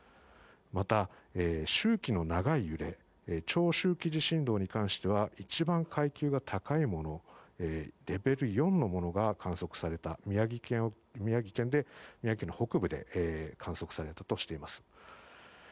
また、周期の長い揺れ長周期地震動に関しては一番、階級が高いものレベル４のものが宮城県の北部で観測されたとしています。